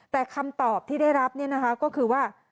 แต่คำตอบที่ได้รับก็คือว่า